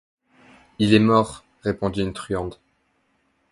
Il est mort, répondit une truande.